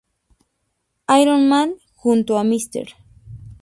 Iron Man junto a Mr.